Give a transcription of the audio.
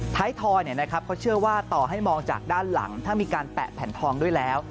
ทอยเขาเชื่อว่าต่อให้มองจากด้านหลังถ้ามีการแปะแผ่นทองด้วยแล้ว